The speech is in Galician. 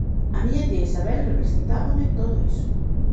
A miña tía Isabel representábame todo iso.